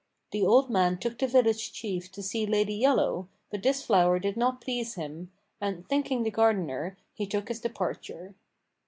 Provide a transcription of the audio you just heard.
The old man told the village chief to see Lady Yellow, but this flower did not please him, and, thanking the gardener, he took his departure.